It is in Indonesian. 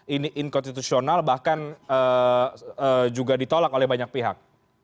ini inkonstitusional bahkan juga ditolak oleh banyak pihak